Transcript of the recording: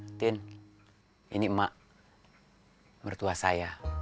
mungkin ini emak mertua saya